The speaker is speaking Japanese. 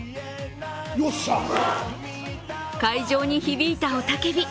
会場に響いた雄たけび。